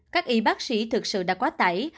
các y bác sĩ thực sự đã quá tẩy